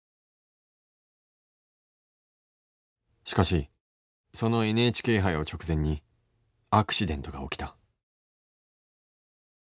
しかしそのＮＨＫ杯を直前にアクシデントが起きた。